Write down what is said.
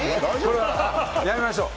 これはやめましょう！